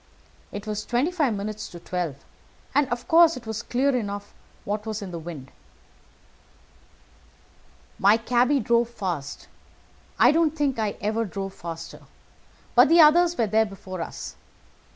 It was twenty five minutes to twelve, and of course it was clear enough what was in the wind. "My cabby drove fast. I don't think I ever drove faster, but the others were there before us.